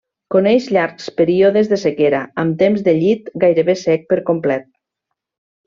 Coneix llargs períodes de sequera, amb temps de llit gairebé sec per complet.